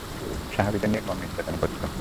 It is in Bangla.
সাহাবীদের নির্মম নির্যাতন করত।